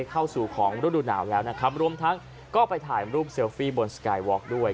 เข้าสู่ของฤดูหนาวแล้วนะครับรวมทั้งก็ไปถ่ายรูปเซลฟี่บนสกายวอคด้วย